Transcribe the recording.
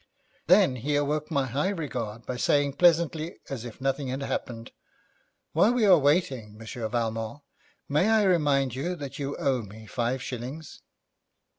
Then he awoke my high regard by saying pleasantly as if nothing had happened, 'While we are waiting, Monsieur Valmont, may I remind you that you owe me five shillings?'